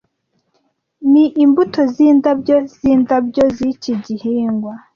ni imbuto zindabyo zindabyo ziki gihingwa